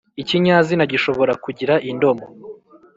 ikinyazina gishobora kugira indomo,